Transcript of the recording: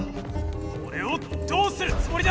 おれをどうするつもりだ！